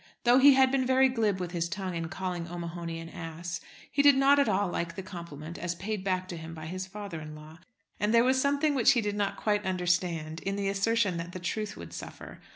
Though he had been very glib with his tongue in calling O'Mahony an ass, he did not at all like the compliment as paid back to him by his father in law. And there was something which he did not quite understand in the assertion that the truth would suffer.